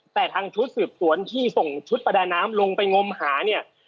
แต่ทางชุดสืบสวนที่ส่งชุดประดาน้ำลงไปงมหาเนี่ย